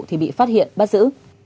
thì bị phát hiện bắt giữ